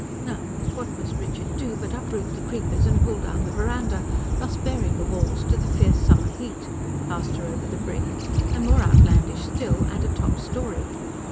Now, what must Richard do but uproot the creepers and pull down the verandah, thus baring the walls to the fierce summer heat; plaster over the brick; and, more outlandish still, add a top storey.